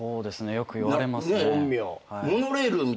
よく言われますね。